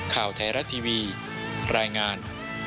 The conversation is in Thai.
ข่าวแถระทีวีรายงาน